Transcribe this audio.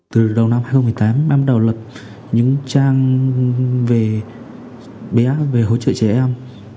từ đầu năm hai nghìn một mươi tám ban đầu lập những trang về bé về hỗ trợ trẻ em